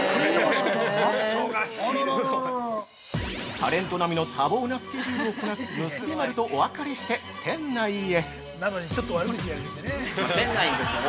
◆タレント並みの多忙なスケジュールをこなすむすび丸とお別れして、店内へ！